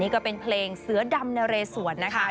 ก็เป็นเพลงเสือดำนะเรสวนนะคะ